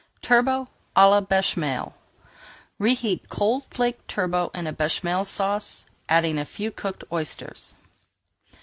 TURBOT À LA BÉCHAMEL Reheat cold flaked turbot in a Béchamel Sauce, adding a few cooked oysters.